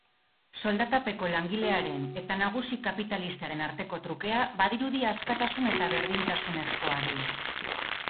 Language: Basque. Soldatapeko langilearen eta nagusi kapitalistaren arteko trukea badirudi askatasun eta berdintasunezkoa dela.